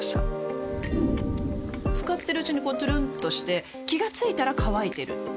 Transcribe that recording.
使ってるうちにこうトゥルンとして気が付いたら乾いてる